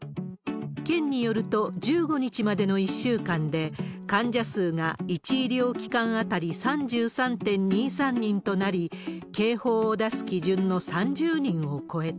県によると、１５日までの１週間で、患者数が１医療機関当たり３３．２３人となり、警報を出す基準の３０人を超えた。